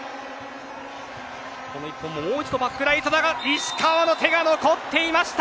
もう一度バックライトだが石川の手が残っていました。